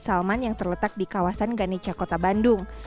salman yang terletak di kawasan ganeca kota bandung